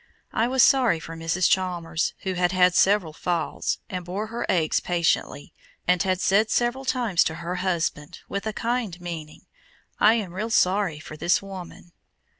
I was sorry for Mrs. Chalmers, who had had several falls, and bore her aches patiently, and had said several times to her husband, with a kind meaning, "I am real sorry for this woman."